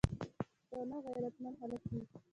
پښتانه غیرتمن خلک دي.